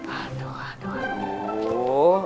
aduh aduh aduh